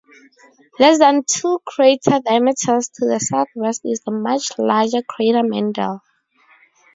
Less than two crater diameters to the southwest is the much larger crater Mendel.